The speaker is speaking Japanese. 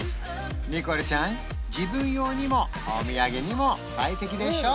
ニコルちゃん自分用にもお土産にも最適でしょ？